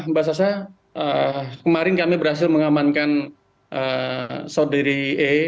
mbak sasa kemarin kami berhasil mengamankan saudiri e